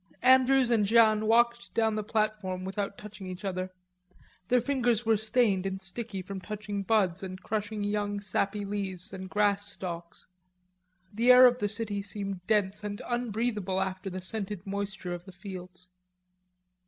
Andrews and Jeanne walked down the platform without touching each other. Their fingers were stained and sticky from touching buds and crushing young sappy leaves and grass stalks. The air of the city seemed dense and unbreathable after the scented moisture of the fields.